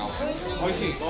おいしい。